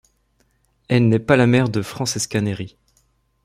Elle n'est pas la mère de Francesca Neri.